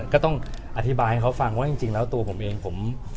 ก็ต้องอธิบายให้เขาฟังว่าจริงแล้วตัวผมเองผม